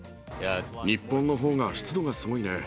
日本のほうが湿度がすごいね。